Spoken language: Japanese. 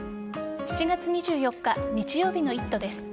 ７月２４日日曜日の「イット！」です。